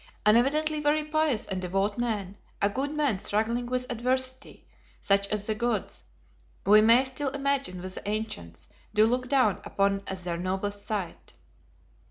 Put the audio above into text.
An evidently very pious and devout man; a good man struggling with adversity, such as the gods, we may still imagine with the ancients, do look down upon as their noblest sight.